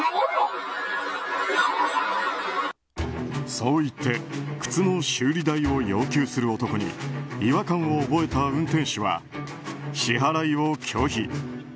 そう言って靴の修理代を要求する男に違和感を覚えた運転手は支払いを拒否。